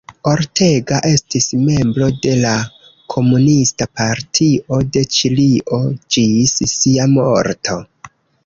Ortega estis membro de la Komunista Partio de Ĉilio ĝis sia morto.